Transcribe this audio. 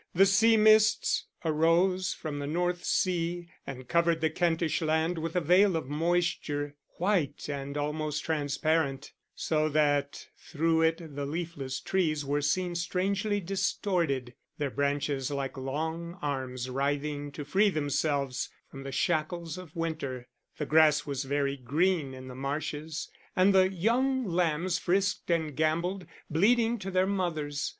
The sea mists arose from the North Sea, and covered the Kentish land with a veil of moisture, white and almost transparent, so that through it the leafless trees were seen strangely distorted, their branches like long arms writhing to free themselves from the shackles of winter; the grass was very green in the marshes, and the young lambs frisked and gambolled, bleating to their mothers.